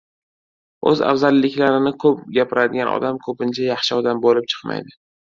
O‘z afzalliklarini ko‘p gapiradigan odam ko‘pincha yaxshi odam bo‘lib chiqmaydi.